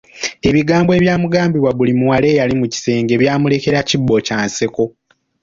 Ebigambo ebyamugambibwa buli muwala eyali mu kisenge byamulekera kibbo kya nseko.